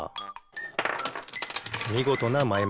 みごとなまえ